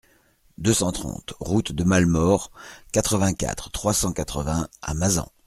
deux cent trente route de Malemort, quatre-vingt-quatre, trois cent quatre-vingts à Mazan